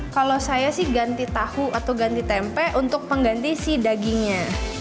kalau saya sih ganti tahu atau ganti tempe untuk pengganti si dagingnya